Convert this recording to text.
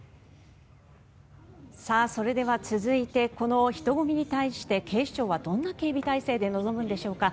それでは続いてこの人混みに対して警視庁はどんな警備態勢で臨むのでしょうか。